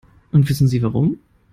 Und wissen Sie warum?